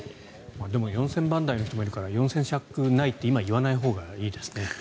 でも４０００番台の人もいるから４０００着ないって今、言わないほうがいいですね。